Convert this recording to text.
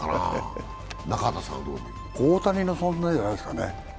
大谷の存在じゃないですかね。